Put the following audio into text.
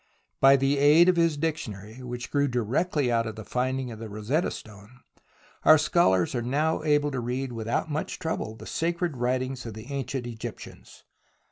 By the aid of his dictionary, which grew directly out of the finding of the Rosetta Stone, our scholars are now able to read without much THE ROMANCE OF EXCAVATION 11 trouble the sacred writings of the ancient Egyptians.